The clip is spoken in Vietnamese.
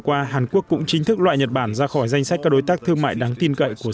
qua hàn quốc cũng chính thức loại nhật bản ra khỏi danh sách các đối tác thương mại đáng tin cậy của